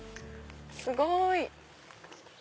すごい。